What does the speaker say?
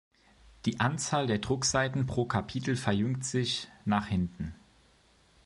Die Anzahl der Druckseiten pro Kapitel verjüngt sich nach hinten.